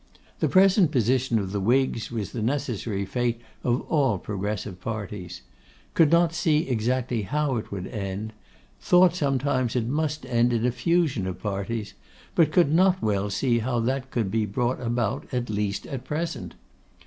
The present position of the Whigs was the necessary fate of all progressive parties; could not see exactly how it would end; thought sometimes it must end in a fusion of parties; but could not well see how that could be brought about, at least at present.